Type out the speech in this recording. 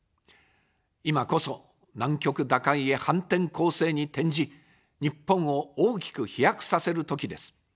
今こそ、難局打開へ反転攻勢に転じ、日本を大きく飛躍させる時です。